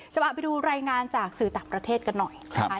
มาดูรายงานจากสื่อต่างประเทศกันหน่อยนะคะ